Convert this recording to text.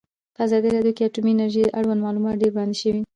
په ازادي راډیو کې د اټومي انرژي اړوند معلومات ډېر وړاندې شوي.